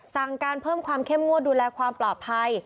สั่งการเพิ่มความเข้มงวดดูแลความปลอดภัย